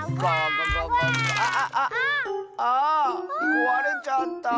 こわれちゃった。